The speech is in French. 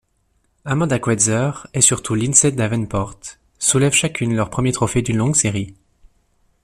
Amanda Coetzer et surtout Lindsay Davenport soulèvent chacune leur premier trophée d'une longue série.